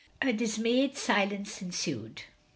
A dismayed silence ensued.